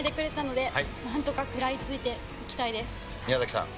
宮崎さん。